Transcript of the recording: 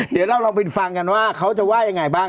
เดี๋ยวเราลองไปฟังกันว่าเขาจะว่ายังไงบ้าง